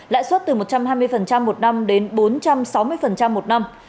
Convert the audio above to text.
lãi suất từ một trăm hai mươi một năm đến bốn trăm sáu mươi một năm